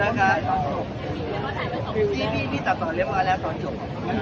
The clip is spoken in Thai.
นะคะที่พี่พี่ตัดต่อเล็กมากแล้วตอนจบ